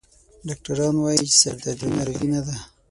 ډاکټران وایي چې سردردي ناروغي نه ده.